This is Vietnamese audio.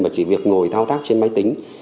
mà chỉ việc ngồi thao thác trên máy tính